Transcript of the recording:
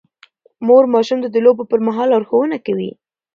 مور ماشوم ته د لوبو پر مهال لارښوونه کوي.